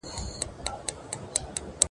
زه مېوې وچولي دي!؟